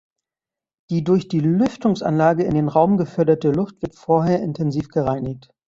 Die durch die Lüftungsanlage in den Raum geförderte Luft wird vorher intensiv gereinigt.